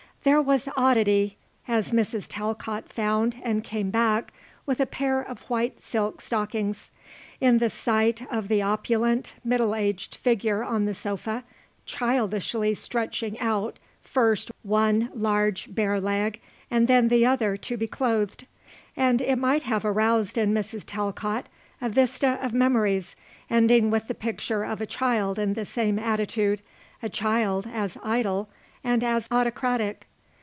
There was oddity as Mrs. Talcott found, and came back, with a pair of white silk stockings in the sight of the opulent, middle aged figure on the sofa, childishly stretching out first one large bare leg and then the other to be clothed; and it might have aroused in Mrs. Talcott a vista of memories ending with the picture of a child in the same attitude, a child as idle and as autocratic.